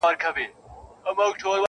جام د میني راکړه.